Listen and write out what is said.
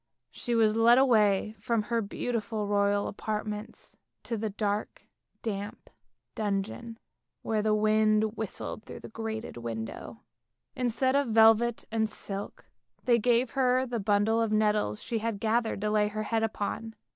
" She was led away from her beautiful royal apartments to a dark damp dungeon, where the wind whistled through the grated window. Instead of velvet and silk they gave her the bundle of nettles she had gathered to lay her head upon.